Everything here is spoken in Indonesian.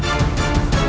tunggu saya di sini